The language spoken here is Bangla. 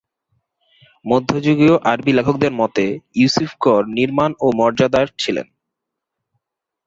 মধ্যযুগীয় আরবি লেখকদের মতে, ইউসুফ গড় নির্মাণ ও মর্যাদার ছিলেন।